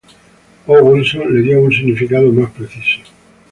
O. Wilson le dio un significado más preciso.